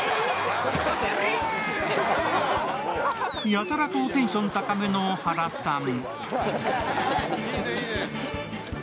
やたらとテンション高めの原さん。